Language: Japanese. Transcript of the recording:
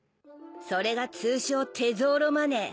それが通称テゾーロ・マネー。